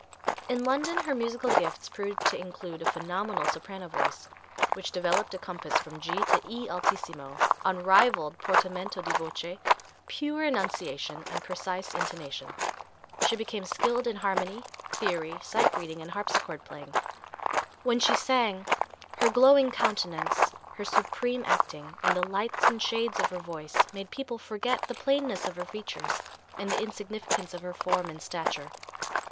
In London her musical gifts proved to include a phenomenal soprano voice, which developed a compass from G to E altissimo, unrivalled portamento di voce, pure enunciation and precise intonation. She became skilled in harmony, theory, sight reading and harpsichord playing. When she sang, her glowing countenance, her supreme acting and the lights and shades of her voice made people forget the plainness of her features and the insignificance of her form and stature.